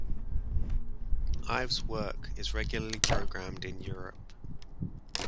Ives' work is regularly programmed in Europe.